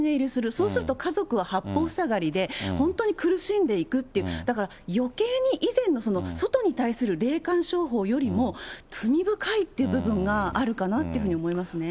そうすると、家族は八方塞がりで、本当に苦しんでいくっていう、だからよけいに以前の外に対する霊感商法よりも罪深いっていう部分があるかなというふうに思いますね。